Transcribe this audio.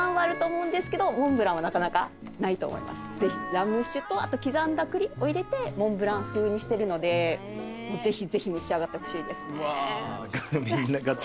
ラム酒とあと刻んだ栗を入れてモンブラン風にしてるのでぜひぜひ召し上がってほしいですね。